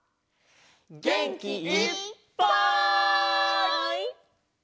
げんきいっぱい！